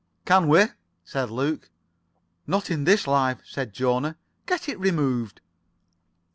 "Can we?" said Luke. "Not in this life," said Jona. "Get it removed."